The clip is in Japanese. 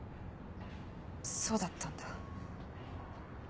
そうだったんだ。